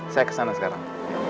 saya ke sana sekarang